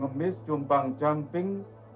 pengemis jumpang jamping